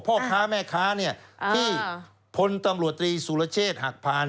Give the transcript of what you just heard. พ่อค้าแม่ค้าที่พลตำรวจตรีสุรเชษฐ์หักพาน